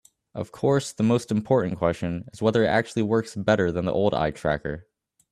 Of course, the most important question is whether it actually works better than the old eye tracker.